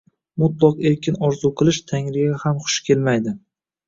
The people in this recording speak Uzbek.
Mutloq erkin orzu qilish Tangriga ham xush kelmaydi.